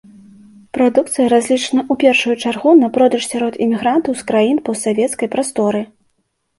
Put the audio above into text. Прадукцыя разлічана ў першую чаргу на продаж сярод імігрантаў з краін постсавецкай прасторы.